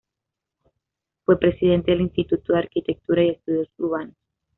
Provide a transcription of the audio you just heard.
Fue presidente del Instituto de Arquitectura y Estudios Urbanos.